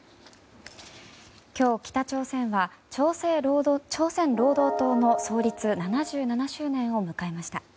今日、北朝鮮は朝鮮労働党の創立７７周年を迎えました。